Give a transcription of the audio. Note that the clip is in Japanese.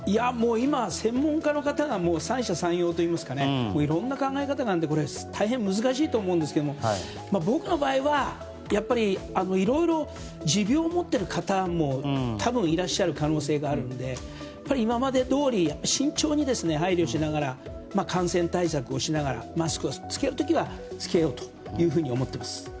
今、専門家の方が三者三様といいますかいろんな考え方があるので大変難しいと思うんですが僕の場合はいろいろ持病を持っている方も多分いらっしゃる可能性があるので今までどおり慎重に配慮しながら感染対策をしながらマスクを着ける時は着けようというふうに思っています。